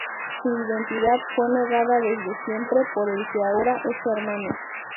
Su identidad fue negada desde siempre por el que ahora es su hermano.